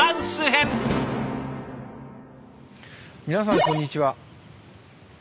皆さんこんにちは。